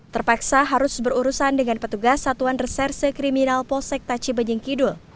terpaksa harus berurusan dengan petugas satuan reserse kriminal polsek taci benyeng kidul